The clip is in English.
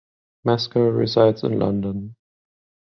Mescal resides in London.